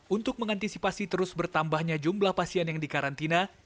untuk mengantisipasi terus bertambahnya jumlah pasien yang dikarantina